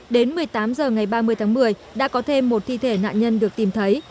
đến một mươi tám h ngày ba mươi tháng một mươi đã có thêm một thi thể nạn nhân được tìm thấy